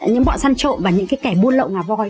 những bọn săn trộm và những kẻ buôn lậu ngà voi